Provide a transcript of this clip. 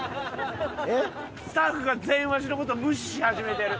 スタッフが全員わしの事無視し始めてる。